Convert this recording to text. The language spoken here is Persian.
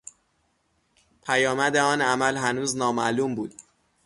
پیامد آن عمل هنوز نامعلوم بود.